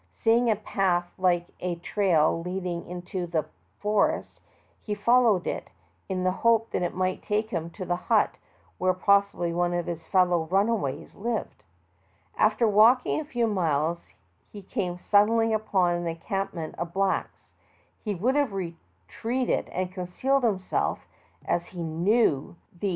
Seeing a path like a a trail leading into the forest, he followed it, in the hope that it might take him to the hut where possibly one of his fellow runaways lived. After walking a few miles he came suddenly upon an encampment of blacks; he would have retreated and concealed himself, as he knew the 198 THE TALKING HANDKERCHIEF.